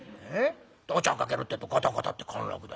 でお茶をかけるってえとガタガタって陥落だよ。